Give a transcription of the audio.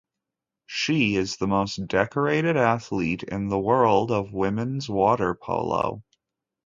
She is the most decorated athlete in the world of women's water polo.